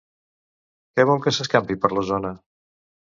Què vol que s'escampi per la zona?